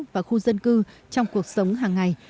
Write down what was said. và khu dân cư trong cuộc sống hàng ngày